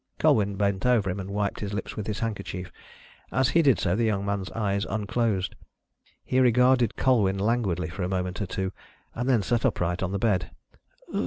Colwyn bent over him and wiped his lips with his handkerchief. As he did so the young man's eyes unclosed. He regarded Colwyn languidly for a moment or two, and then sat upright on the bed.